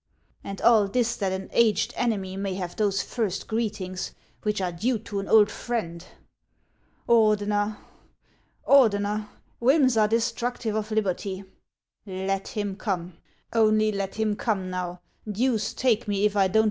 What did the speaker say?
And all this that an aged enemy may have those first greetings which are due to an old friend ! Ordener ! Ordener ! whims are destructive of liberty I Let him come, only let him come now, deuce take me if I don't 124 HANS OF ICELAND.